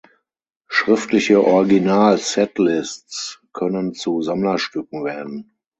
Schriftliche Original-Setlists können zu Sammlerstücken werden.